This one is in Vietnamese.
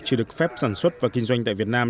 chưa được phép sản xuất và kinh doanh tại việt nam